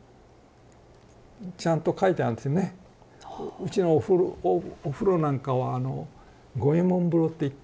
うちのお風呂なんかはあの五右衛門風呂って言ってね